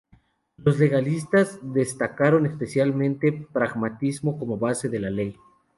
Los legalistas destacaron especialmente pragmatismo como base de la ley.